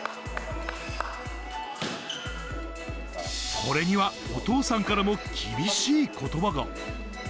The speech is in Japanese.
これにはお父さんからも厳しいことばが。